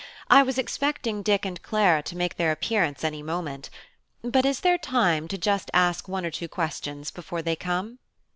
"I was expecting Dick and Clara to make their appearance any moment: but is there time to ask just one or two questions before they come?"